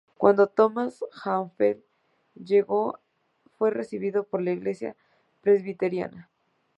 Cuando Thomas Campbell llegó fue recibido por la Iglesia Presbiteriana.